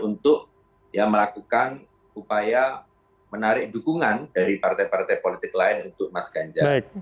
untuk melakukan upaya menarik dukungan dari partai partai politik lain untuk mas ganjar